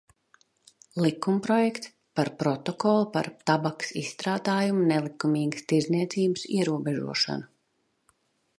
"Likumprojekts "Par Protokolu par tabakas izstrādājumu nelikumīgas tirdzniecības ierobežošanu"."